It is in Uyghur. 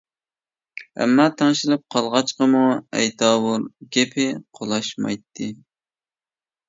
ئەمما، تەڭشىلىپ قالغاچقىمۇ ئەيتاۋۇر، گېپى قولاشمايتتى.